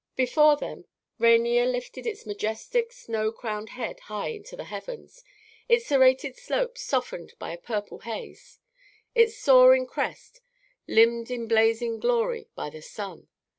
Before them Rainier lifted its majestic, snow crowned head high into the heavens, its serrated slopes softened by a purple haze, its soaring crest limned in blazing glory by the sun.